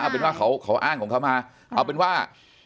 เป็นว่าเขาอ้างของเขามาเอาเป็นว่า